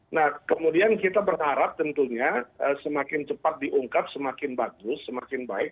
nah kemudian kita berharap tentunya semakin cepat diungkap semakin bagus semakin baik